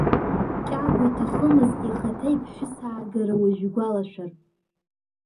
Кьагәа иҭахымызт ихаҭа иԥҳәысаагара уажәы игәалашәар.